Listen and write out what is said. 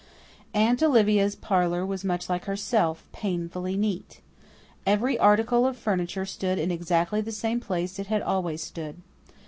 Aunt Olivia's parlour was much like herself painfully neat. Every article of furniture stood in exactly the same place it had always stood.